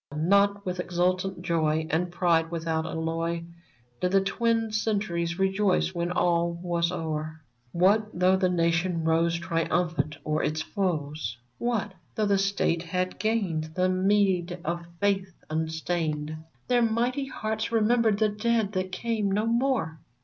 Not with exultant joy And pride without alloy, Did the twin Centuries rejoice when all was o'er. 122 VERMONT What though the Nation rose Triumphant o'er its foes ? What though the State had gained The meed of faith unstained ? Their mighty hearts remembered the dead that came no more